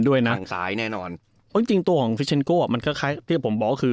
ด้วยนะทางซ้ายแน่นอนเอาจริงจริงตัวของมันคล้ายคล้ายที่ผมบอกคือ